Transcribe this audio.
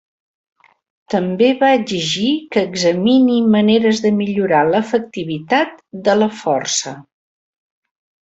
També va exigir que examini maneres de millorar l'efectivitat de la Força.